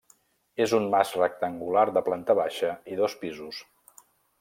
És un mas rectangular de planta baixa i dos pisos.